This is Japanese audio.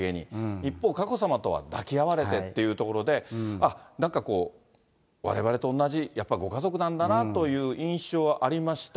一方、佳子さまとは抱き合われてっていうところで、あっ、なんかこう、われわれとおんなじ、やっぱご家族なんだなという印象はありました。